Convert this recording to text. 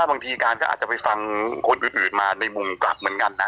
ถ้าบางทีการ์นก็จะไปฟังคนอื่นมาในมุมกากเหมือนกันนะ